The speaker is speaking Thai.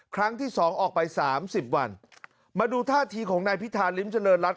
ครั้งที่สองออกไปสามสิบวันมาดูท่าทีของนายพิธาริมเจริญรัฐ